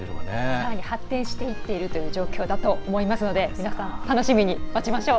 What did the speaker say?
さらに発展しているという状況だと思いますので皆さん、楽しみに待ちましょう。